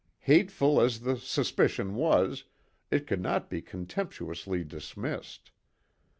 Hateful as the suspicion was, it could not be contemptuously dismissed.